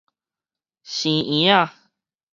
生嬰仔